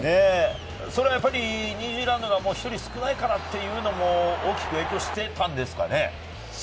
ニュージーランドが１人少ないからというのも大きく影響していたんですかね？